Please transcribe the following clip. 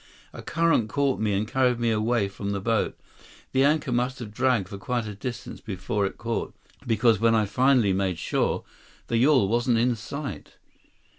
A current caught me and carried me away from the boat. The anchor must have dragged for quite a distance before it caught, because when I finally made shore, the yawl wasn't in sight."